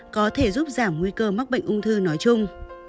có thể giúp giảm nguy cơ mắc bệnh ung thư nói chung